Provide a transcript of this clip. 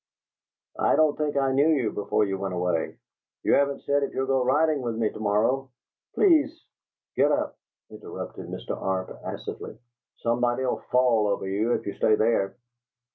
"I don't think I knew you before you went away. You haven't said if you'll go riding with me to morrow. Please " "Get up," interrupted Mr. Arp, acidly. "Somebody 'll fall over you if you stay there."